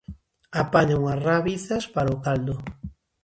Apaña unhas rabizas para o caldo.